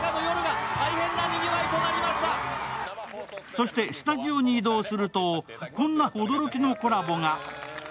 そしてスタジオに移動するとこんな驚きのコラボが。